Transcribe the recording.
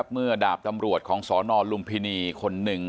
เมื่อดาบตำรวจของสนลุมพินีคนหนึ่ง